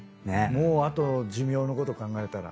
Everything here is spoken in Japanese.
もうあと寿命のこと考えたら。